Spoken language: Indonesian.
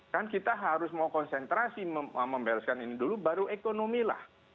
kan kita harus mau konsentrasi membereskan ini dulu baru ekonomi lah